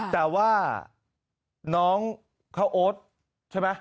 แต่ว่าน้องข้าวโอ๊ตใช่ไหม